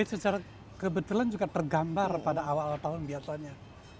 secara kebetulan juga tergambar pada awal awal tahun biasanya